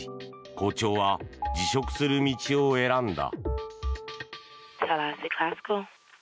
校長は辞職する道を選んだ。